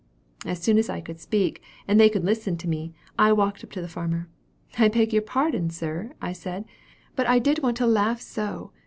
"As soon as I could speak, and they could listen to me, I walked up to the farmer. 'I beg your pardon sir,' said I, 'but I did want to laugh so!